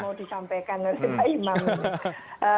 mau disampaikan oleh pak imam